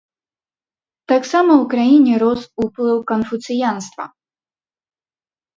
Таксама ў краіне рос уплыў канфуцыянства.